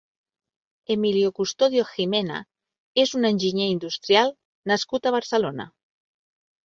Emilio Custodio Gimena és un enginyer industrial nascut a Barcelona.